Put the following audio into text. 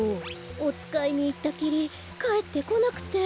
おつかいにいったきりかえってこなくて。